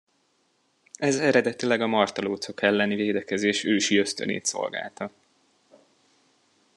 Ez eredetileg a martalócok elleni védekezés ősi ösztönét szolgálta.